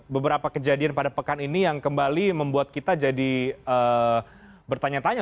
beberapa kejadian pada pekan ini yang kembali membuat kita jadi bertanya tanya